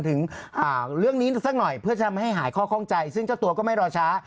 ทำให้หายข้อคล่องใจซึ่งเจ้าตัวก็ไม่รอช้า